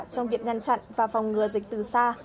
trong việc ngăn chặn và phòng ngừa dịch từ xa